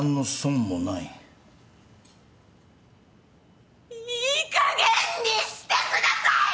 いいかげんにしてください！